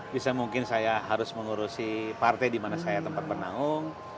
bisa mungkin saya harus mengurusi partai di mana saya tempat penanggung